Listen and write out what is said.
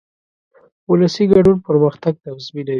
ولسي ګډون پرمختګ تضمینوي.